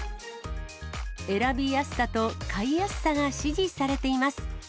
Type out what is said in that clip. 選びやすさと買いやすさが支持されています。